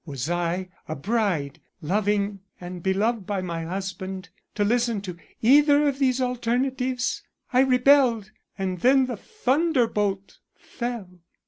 Was I, a bride, loving and beloved by my husband, to listen to either of these alternatives? I rebelled, and then the thunderbolt fell.